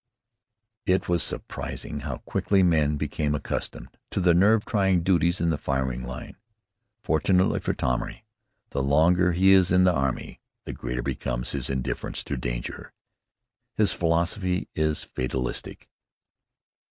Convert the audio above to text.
It was surprising how quickly the men became accustomed to the nerve trying duties in the firing line. Fortunately for Tommy, the longer he is in the army, the greater becomes his indifference to danger. His philosophy is fatalistic.